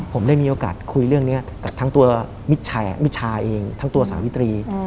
ผมได้มีโอกาสคุยเรื่องนี้กับทั้งตัวมิชาเองทั้งตัวสาวิตรี